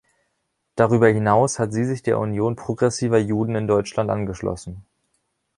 Darüber hinaus hat sie sich der Union progressiver Juden in Deutschland angeschlossen.